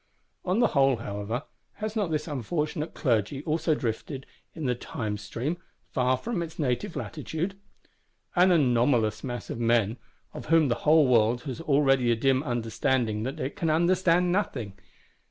_ On the whole, however, has not this unfortunate Clergy also drifted in the Time stream, far from its native latitude? An anomalous mass of men; of whom the whole world has already a dim understanding that it can understand nothing.